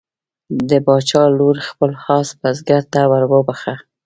د باچا لور خپل آس بزګر ته وروبخښه.